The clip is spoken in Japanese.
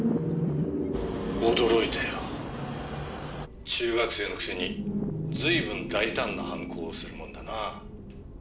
「驚いたよ。中学生のくせにずいぶん大胆な犯行をするもんだな」